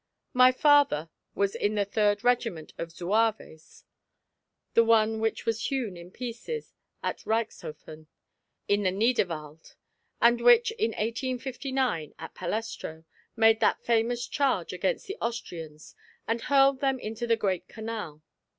My father was in the third regiment of zouaves, the one which was hewn in pieces at Reichshofen, in the Niedervald, and which in 1859 at Palestro, made that famous charge against the Austrians and hurled them into the great canal.